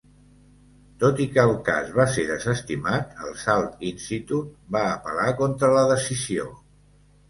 Tot i que el cas va ser desestimat, el Salt Institute va apel·lar contra la decisió.